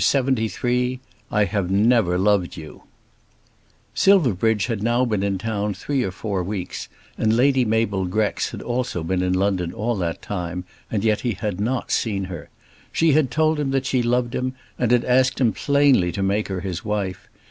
CHAPTER LXXIII "I Have Never Loved You" Silverbridge had now been in town three or four weeks, and Lady Mabel Grex had also been in London all that time, and yet he had not seen her. She had told him that she loved him and had asked him plainly to make her his wife.